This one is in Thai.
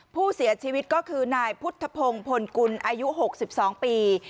ผู้เสียชีวิตก็คือนายพุทธพงศ์พลกุลอายุ๖๒ปี